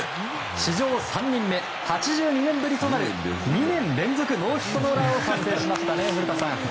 史上３人目、８２年ぶりとなる２年連続ノーヒットノーランを達成しましたね、古田さん。